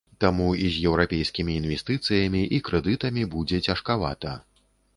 Таму і з еўрапейскімі інвестыцыямі і крэдытамі будзе цяжкавата.